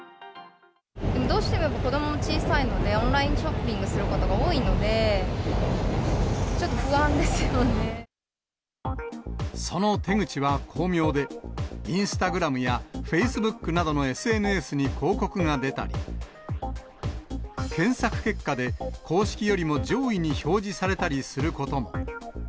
どうしても子どもも小さいので、オンラインショッピングすることが多いので、ちょっと不安でその手口は巧妙で、インスタグラムやフェイスブックなどのＳＮＳに広告が出たり、検索結果で公式よりも上位に表示されたりすることも。